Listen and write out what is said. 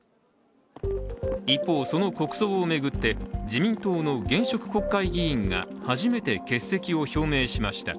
一方、その国葬を巡って自民党の現職国会議員が初めて欠席を表明しました。